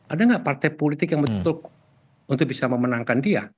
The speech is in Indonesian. ada nggak partai politik yang betul untuk bisa memenangkan dia